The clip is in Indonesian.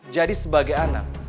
jadi sebagai anak